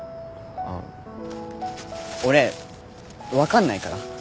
俺分かんないから。